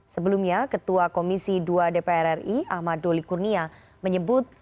sebelumnya ketua komisi dua dpr ri ahmad doli kurnia menyebut